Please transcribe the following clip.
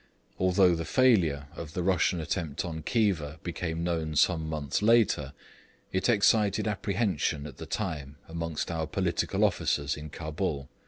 Although the failure of the Russian attempt on Khiva became known some months later, it excited apprehension at the time amongst our political officers in Cabul.